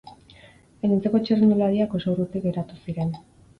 Gainontzeko txirrindulariak oso urruti geratu ziren.